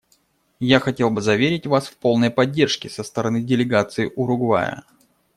Я хотел бы заверить Вас в полной поддержке со стороны делегации Уругвая.